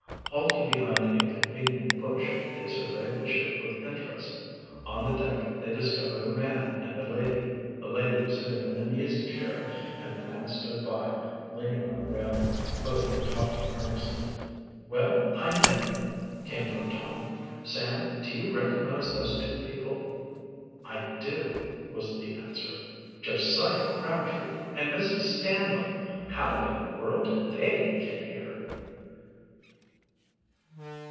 Halting behind a convenient bush, they surveyed the ship with interest. On the deck they discovered a man and a lady. The lady was sitting in an easy chair, and the man stood by, leaning on a railing. Both were talking earnestly. "Well I never!" came from Tom. "Sam, do you recognize those two people?" "I do," was the answer. "Josiah Crabtree and Mrs. Stanhope! How in the world did they get here?"